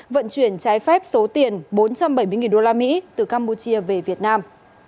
vận chuyển trái phép số tiền bốn trăm bảy mươi đô la mỹ từ campuchia về việt nam